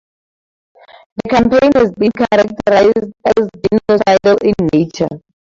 The campaign has been characterized as genocidal in nature.